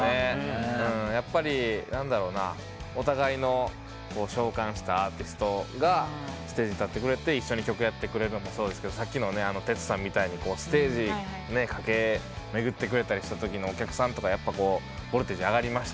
やっぱりお互いの召喚したアーティストがステージ立ってくれて一緒に曲やってくれるのもそうですけどさっきのテツさんみたいにステージ駆け巡ったりしたときのお客さんとかボルテージ上がりましたし。